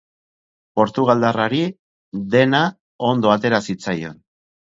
Portugaldarrari dena ondo atera zitzaion.